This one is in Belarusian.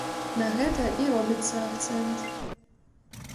На гэта і робіцца акцэнт.